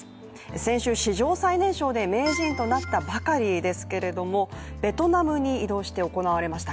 先週、史上最年少で名人となったばかりですけれどもベトナムに移動して行われました